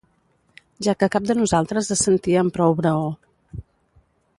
Ja que cap de nosaltres es sentia amb prou braó.